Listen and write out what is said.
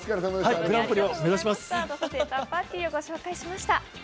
ダサセーターパーティーをご紹介しました。